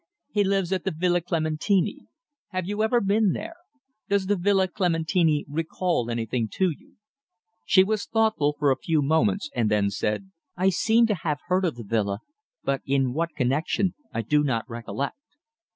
"He lives at the Villa Clementini. Have you ever been there? Does the Villa Clementini recall anything to you?" She was thoughtful for a few moments, and then said: "I seem to have heard of the villa, but in what connexion I do not recollect."